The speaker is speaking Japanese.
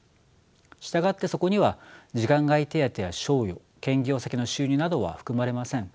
従ってそこには時間外手当や賞与兼業先の収入などは含まれません。